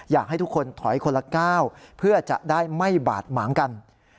อยากให้ทุกคนถอยคนละก้าวเพื่อจะได้ไม่บาดหมางกัน